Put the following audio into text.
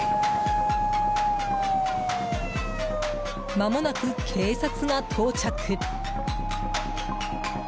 まもなく警察が到着。